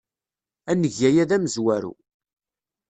Ad neg aya d amezwaru.